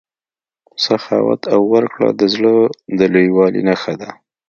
سخاوت او ورکړه د زړه د لویوالي نښه ده.